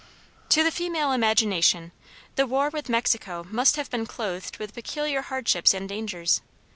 To the female imagination, the war with Mexico must have been clothed with peculiar hardships and dangers.